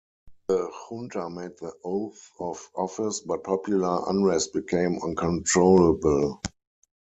The Junta made the oath of office, but popular unrest became uncontrollable.